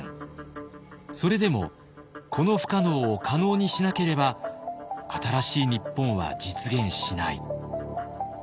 それでもこの不可能を可能にしなければ新しい日本は実現しない。